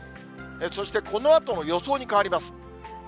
そしてこのあとの予想に変わります。